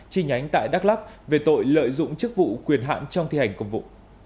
chi nhánh tại đắk lắc về tội lợi dụng chức vụ quyền hạn trong thi hành công vụ